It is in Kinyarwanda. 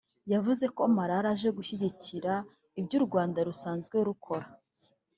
yavuze ko Malala aje gushyigikira ibyo u Rwanda rusanzwe rukora